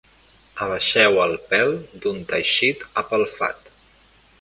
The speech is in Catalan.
Abaixeu el pèl d'un teixit apelfat.